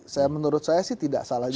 saya menurut saya sih tidak salah juga